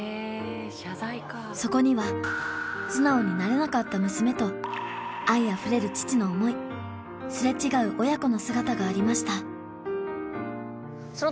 そこには素直になれなかった娘と愛あふれる父の思いすれ違う親子の姿がありました